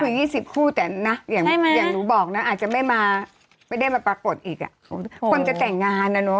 มี๒๐คู่แต่นะอย่างหนูบอกนะอาจจะไม่มาไม่ได้มาปรากฏอีกอ่ะคนจะแต่งงานนะเนอ